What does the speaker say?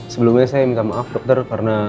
sebelumnya saya minta maaf dokter karena